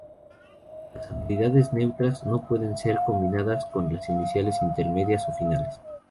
Las "habilidades neutras" no pueden ser combinadas con las iniciales, intermedias o finales.